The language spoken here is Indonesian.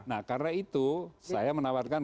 nah karena itu saya menawarkan